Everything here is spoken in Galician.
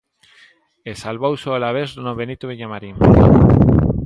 E salvouse o Alavés no Benito Villamarín.